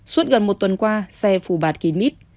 suốt gần một tuần qua xe phủ bạt kín mít